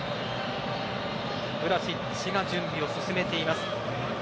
ヴラシッチが準備を進めています。